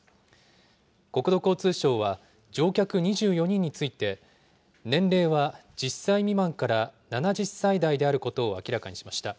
国土交通省は、乗客２４人について、年齢は１０歳未満から７０歳代であることを明らかにしました。